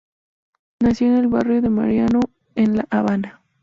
Nació en el barrio de Marianao en La Habana.